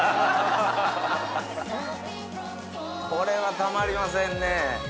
これはたまりませんね。